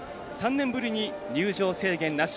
３年ぶりに入場制限なし。